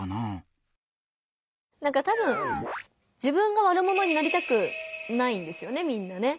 たぶん自分が悪者になりたくないんですよねみんなね。